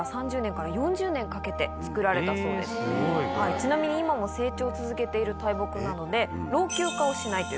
ちなみに今も成長を続けている大木なので。